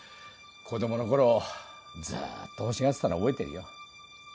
子供のころずっと欲しがってたの覚えてるよ。